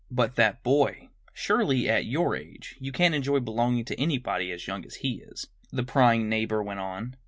"But that boy! Surely, at your age, you can't enjoy belonging to anybody as young as he is!" the prying neighbor went on.